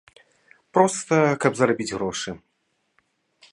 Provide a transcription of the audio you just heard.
Проста, каб зарабіць грошы.